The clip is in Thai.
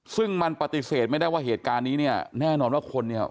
ซึ่งมันปฏิเสธไม่ได้ว่าเหตุการณ์นี้เนี่ยแน่นอนว่าคนเนี่ย